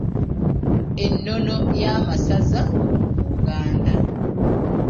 Ennono y'amasaza mu Buganda.